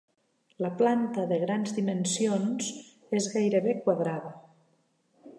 La planta de grans dimensions, és gairebé quadrada.